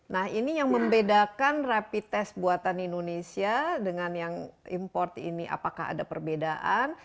nah ini yang membedakan rapid test buatan indonesia dengan yang import ini apakah ada perbedaan